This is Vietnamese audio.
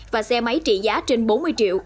và xe máy trị giá trên bốn mươi triệu